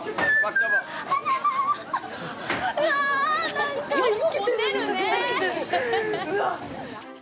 うわっ！